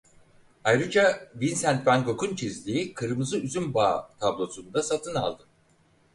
Ayrıca Vincent van Gogh'un çizdiği "Kırmızı Üzüm Bağı" tablosunu da satın aldı.